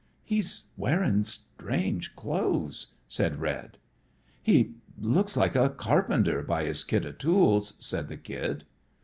"He's wearin' strange clothes," said Red. "He looks like a carpenter by his kit o' tools," said the Kid.